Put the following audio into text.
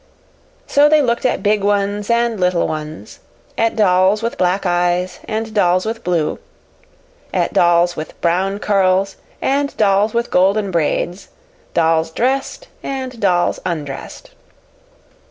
So they looked at big ones and little ones at dolls with black eyes and dolls with blue at dolls with brown curls and dolls with golden braids, dolls dressed and dolls undressed.